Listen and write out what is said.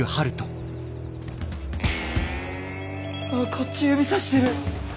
こっち指さしてる！